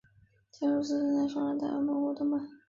乾隆十四年上任台湾澎湖通判。